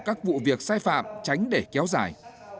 các vụ việc sai phạm tránh để kéo dài